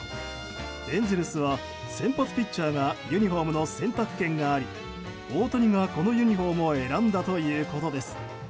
エンゼルスは先発ピッチャーがユニホームの選択権があり大谷がこのユニホームを選んだということです。